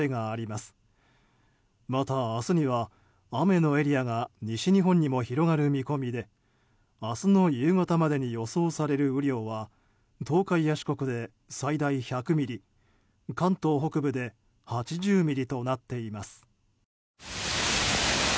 また、明日には雨のエリアが西日本にも広がる見込みで明日の夕方までに予想される雨量は東海や四国で最大１００ミリ関東北部で８０ミリとなっています。